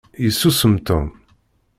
Yessusum Tom.